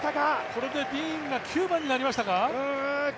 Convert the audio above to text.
これでディーンが９番になりましたか。